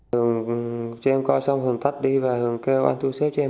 hùng cho em coi xong hùng tắt đi và hùng kêu anh thu xếp cho em